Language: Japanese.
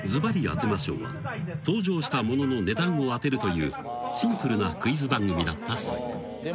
当てましょう』は登場したものの値段を当てるというシンプルなクイズ番組だったそう］